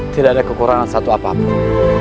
tidak ada kekurangan satu apapun